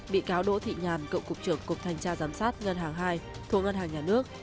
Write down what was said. bị cáo đỗ thị nhàn cựu cục trưởng cục thanh tra giám sát ngân hàng hai thuộc ngân hàng nhà nước